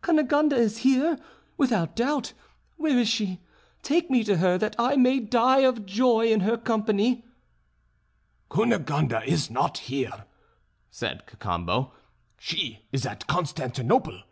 "Cunegonde is here, without doubt; where is she? Take me to her that I may die of joy in her company." "Cunegonde is not here," said Cacambo, "she is at Constantinople."